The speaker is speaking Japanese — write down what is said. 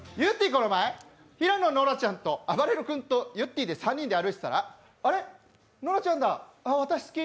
この前、平野ノラちゃんとあばれる君とゆってぃの３人で歩いてたら、あれっ、ノラちゃんだ、私、好き。